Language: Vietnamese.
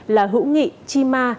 là hữu nghị chi ma